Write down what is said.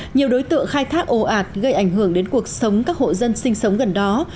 nhiều đối tượng khai thác ồ ạt gây ảnh hưởng đến cuộc sống các hộ dân sinh sống gần đó